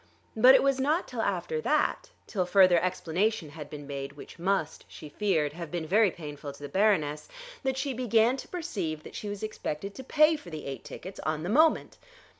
But it was not till after that, till further explanation had been made which must, she feared, have been very painful to the Baroness, that she began to perceive that she was expected to pay for the eight tickets on the moment.